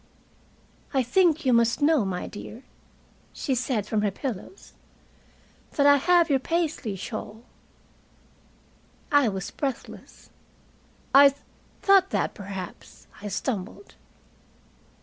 "I think you must know, my dear," she said, from her pillows, "that I have your Paisley shawl." I was breathless. "I thought that, perhaps" I stumbled.